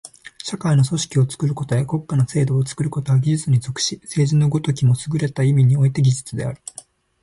社会の組織を作ることや国家の制度を作ることは技術に属し、政治の如きもすぐれた意味において技術である。